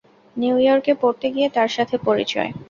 নিউ-ইয়র্কে পড়তে গিয়ে তার সাথে পরিচয়।